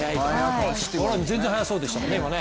全然速そうでしたもんね、今ね。